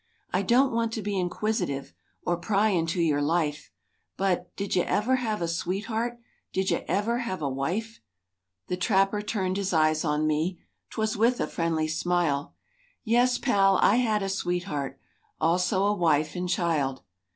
I don't want to be inquisitive, Or pry into your life, But;—did you ever have a sweetheart, Did you ever have a wife?" The trapper turned his eyes on me, 'Twas with a friendly smile:— "Yes, Pal, I had a sweetheart, Also a wife and child.